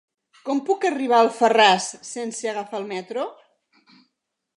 Com puc arribar a Alfarràs sense agafar el metro?